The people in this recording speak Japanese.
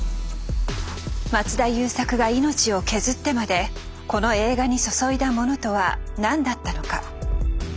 松田優作が命を削ってまでこの映画に注いだものとは何だったのか。